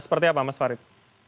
seperti apa mas warid